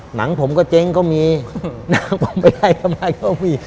หนังผมก็เจ๊งก็มีหนังผมไม่ได้ทำไมก็มี